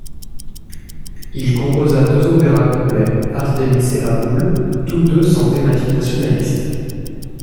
Il composa deux opéras complets, Artemis et Abul, tous deux sans thématique nationaliste.